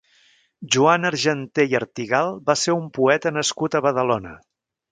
Joan Argenté i Artigal va ser un poeta nascut a Badalona.